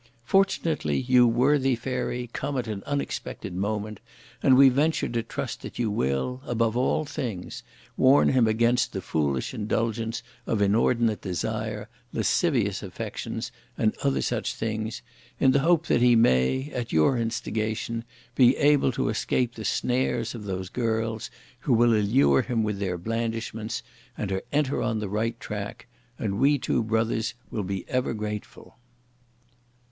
Fortunately you worthy fairy come at an unexpected moment, and we venture to trust that you will, above all things, warn him against the foolish indulgence of inordinate desire, lascivious affections and other such things, in the hope that he may, at your instigation, be able to escape the snares of those girls who will allure him with their blandishments, and to enter on the right track; and we two brothers will be ever grateful.'